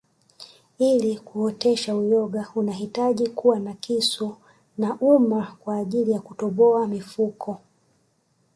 Ili kuotesha uyoga unahitaji kuwa na kisu na uma kwaajili ya kutoboa mifuko